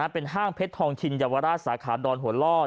เป็นห้างเพชรทองชินเยาวราชสาขาดอนหัวล่อ